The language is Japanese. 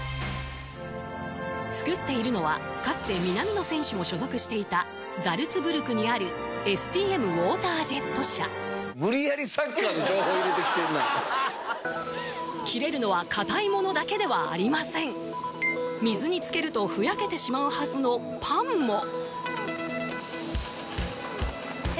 作っているのはかつて南野選手も所属していたザルツブルクにあるＳＴＭウォータージェット社無理やりサッカーの情報入れてきてんな切れるのは硬いものだけではありません水に漬けるとふやけてしまうはずのパンもえ